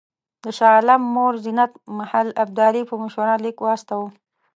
د شاه عالم مور زینت محل ابدالي په مشوره لیک واستاوه.